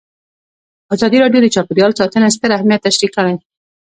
ازادي راډیو د چاپیریال ساتنه ستر اهميت تشریح کړی.